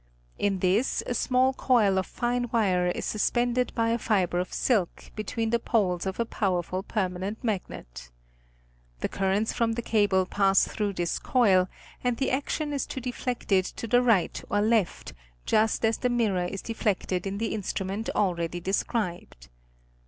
In this a small coil of fine wire is suspended by a fibre of silk, between the poles of a powerful permanent magnet. The currents from the cable pass through this coil and the action is to deflect it to the right or left, just as the mirror is deflected in the instrument already described.